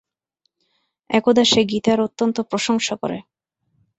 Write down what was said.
একদা সে গীতার অত্যন্ত প্রশংসা করে।